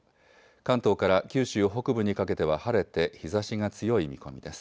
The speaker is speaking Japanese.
関東から九州北部にかけては晴れて日ざしが強い見込みです。